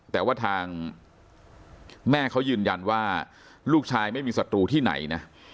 แต่ว่าทางแม่เขายืนยันว่าลูกชายไม่มีศัตรูที่ไหนนะ